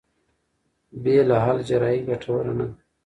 بې له حل جراحي ګټوره نه ده.